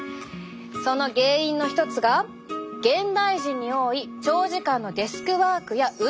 その原因の一つが現代人に多い長時間のデスクワークや運動不足。